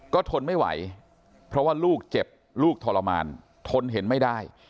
ก็ทนไม่ไหวเพราะว่าลูกเจ็บลูกทรมานทนเห็นไม่ได้